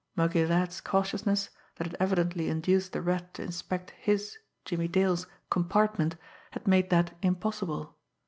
Muggy Ladd's cautiousness, that had evidently induced the Rat to inspect his, Jimmie Dale's, compartment, had made that impossible.